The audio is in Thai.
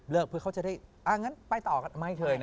เลือกเพื่อเขาจะได้อ้างั้นไปต่อกัน